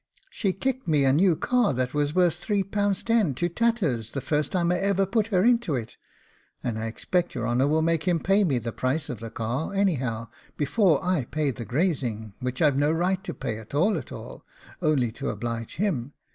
She kicked me a new car, that was worth three pounds ten, to tatters the first time I ever put her into it, and I expect your honour will make him pay me the price of the car, anyhow, before I pay the grazing, which I've no right to pay at all at all, only to oblige him.